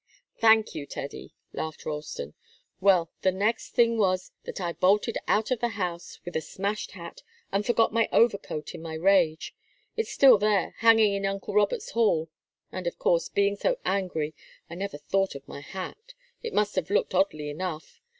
"Thank you, Teddy," laughed Ralston. "Well, the next thing was that I bolted out of the house with a smashed hat, and forgot my overcoat in my rage. It's there still, hanging in uncle Robert's hall. And, of course, being so angry, I never thought of my hat. It must have looked oddly enough.